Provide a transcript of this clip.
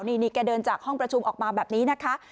นี่แกเดินจากห้องประชุมออกมาแบบนี้นะคะ